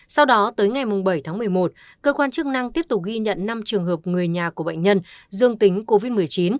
sau đó tới ngày bảy tháng một mươi một cơ quan chức năng tiếp tục ghi nhận năm trường hợp người nhà của bệnh nhân dương tính covid một mươi chín